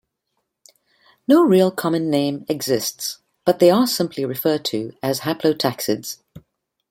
No real common name exists, but they are simply referred to as haplotaxids.